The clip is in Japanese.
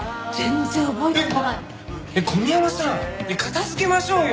片づけましょうよ！